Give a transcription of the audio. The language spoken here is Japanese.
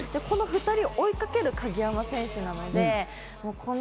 この２人を追いかける鍵山選手なので。